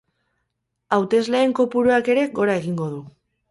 Hautesleen kopuruak ere gora egingo du.